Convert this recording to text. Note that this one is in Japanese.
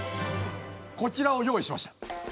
こちらを用意しました。